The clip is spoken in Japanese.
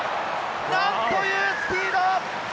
なんというスピード！